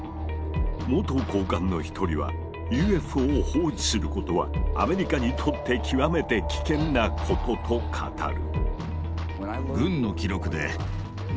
元高官の一人は「ＵＦＯを放置することはアメリカにとって極めて危険なこと」と語る。